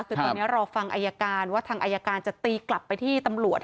คือตอนนี้รอฟังอายการว่าทางอายการจะตีกลับไปที่ตำรวจ